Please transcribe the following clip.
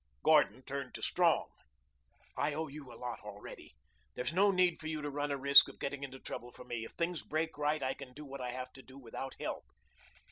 Gordon turned to Strong. "I owe you a lot already. There's no need for you to run a risk of getting into trouble for me. If things break right, I can do what I have to do without help."